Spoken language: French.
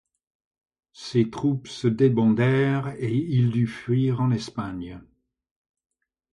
Ses troupes se débandèrent et il dut fuir en Espagne.